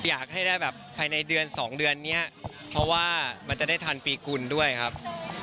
อยากให้ได้แบบภายในเดือน๒เดือนนี้เพราะว่ามันจะได้ทันปีกุลด้วยครับ